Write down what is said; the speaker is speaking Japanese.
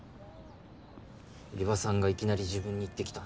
伊庭さんがいきなり自分に言ってきたんです。